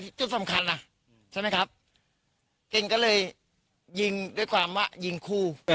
จุดสำคัญล่ะใช่ไหมครับเก่งก็เลยยิงด้วยความว่ายิงคู่